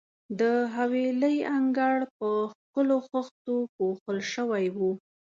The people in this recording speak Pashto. د حویلۍ انګړ په ښکلو خښتو پوښل شوی وو.